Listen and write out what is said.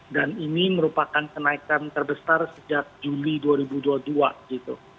dan ini merupakan kenaikan terbesar sejak juli dua ribu dua puluh dua gitu